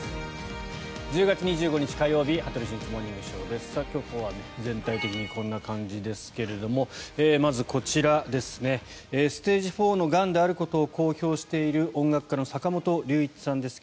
１０月２５日、火曜日「羽鳥慎一モーニングショー」。今日は全体的にこんな感じですけどもまず、こちらステージ４のがんであることを公表している音楽家の坂本龍一さんです。